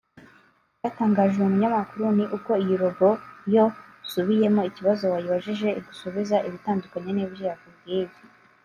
Icyatangaje uyu munyamakuru ni uko iyi Robo iyo usubiyemo ikibazo wayibajije igusubiza ibitandukanye n’ibyo yakubwiye